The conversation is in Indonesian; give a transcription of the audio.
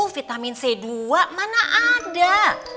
vitamin c dua mana ada